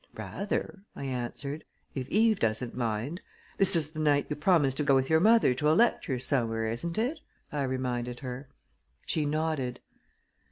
"Rather," I answered; "if Eve doesn't mind. This is the night you promised to go with your mother to a lecture somewhere, isn't it?" I reminded her. She nodded.